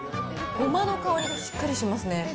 ごまの香りがしっかりしますね。